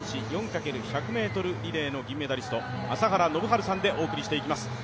解説は２００８年北京オリンピック男子４×１００ｍリレーの銀メダリスト、朝原宣治さんでお送りしていきます。